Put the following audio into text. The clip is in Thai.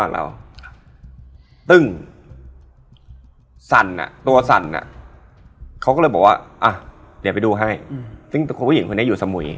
แล้วตอนนี้ขอเรียนเชิญ